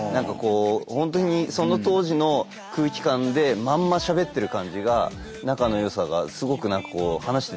ほんとにその当時の空気感でまんましゃべってる感じが仲の良さがすごくなんかこう話してて伝わってきましたね。